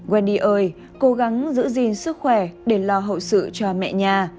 wendy ơi cố gắng giữ gìn sức khỏe để lo hậu sự cho mẹ nhà